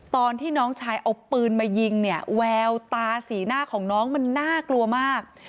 ตอนที่น้องชายเอาปืนมายิงเนี่ยแววตาสีหน้าของน้องมันน่ากลัวมาก